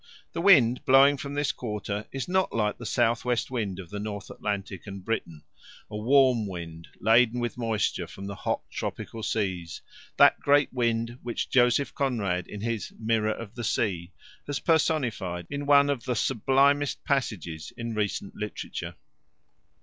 The wind blowing from this quarter is not like the south west wind of the North Atlantic and Britain, a warm wind laden with moisture from hot tropical seas that great wind which Joseph Conrad in his Mirror of the Sea has personified in one of the sublimest passages in recent literature.